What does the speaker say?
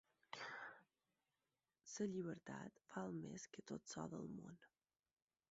La llibertat val més que tot l'or del món.